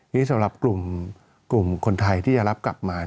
นี่สำหรับกลุ่มคนไทยที่จะรับกลับมา